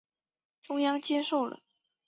中央接受了。